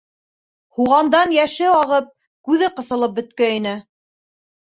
Һуғандан йәше ағып, күҙе ҡыҫылып бөткәйне.